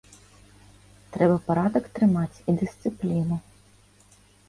Трэба парадак трымаць і дысцыпліну.